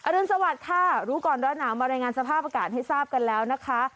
รุนสวัสดิ์ค่ะรู้ก่อนร้อนหนาวมารายงานสภาพอากาศให้ทราบกันแล้วนะคะ